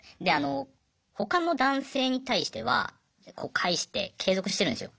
他の男性に対しては返して継続してるんですよ。